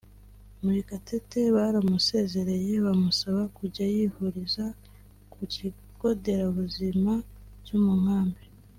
Murekatete baramusezereye bamusaba kuzajya yivuriza ku kigo nderabuzima cyo mu Nkambi